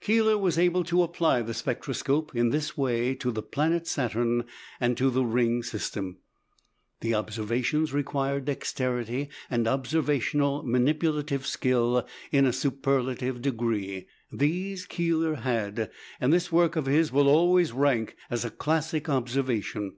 Keeler was able to apply the spectroscope in this way to the planet Saturn and to the ring system. The observations required dexterity and observational manipulative skill in a superlative degree. These Keeler had; and this work of his will always rank as a classic observation.